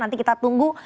nanti kita tunggu